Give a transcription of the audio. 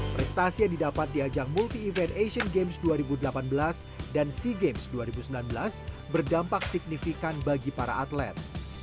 prestasi yang didapat di ajang multi event asian games dua ribu delapan belas dan sea games dua ribu sembilan belas berdampak signifikan bagi para atlet